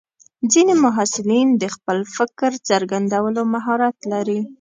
ځینې محصلین د خپل فکر څرګندولو مهارت لري.